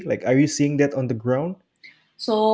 apakah kamu melihatnya di atas